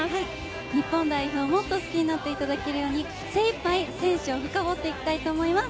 日本代表をもっと好きになっていただけるように、精いっぱい選手を深掘っていきたいと思います。